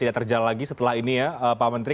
tidak terjal lagi setelah ini ya pak menteri